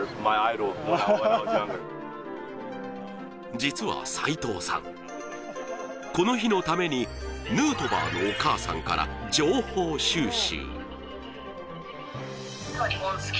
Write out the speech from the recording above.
実は斎藤さん、この日のためにヌートバーのお母さんから情報収集。